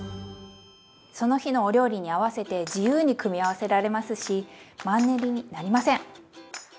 その日のお料理に合わせて自由に組み合わせられますしマンネリになりません！